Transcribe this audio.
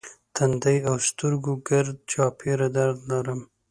تندی او سترګو ګرد چاپېره درد لرم.